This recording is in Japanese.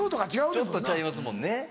ちょっとちゃいますもんね。